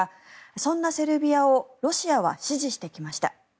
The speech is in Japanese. そんなセルビアをロシアは支持してきました。